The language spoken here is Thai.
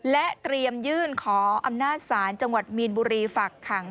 และเตรียมยื่นขออำนาจศาลจังหวัดมีนบุรีฝากขัง